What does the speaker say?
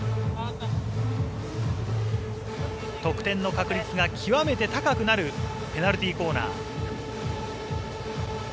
得点の確率が極めて高くなるペナルティーコーナー。